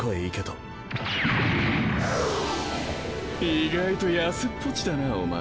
意外とやせっぽちだなお前。